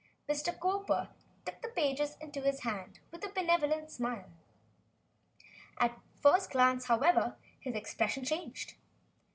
Mr. Cowper took the pages into his hand with a benevolent smile. At the first glance, however, his expression changed.